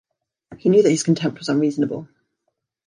He knew that his contempt was unreasonable.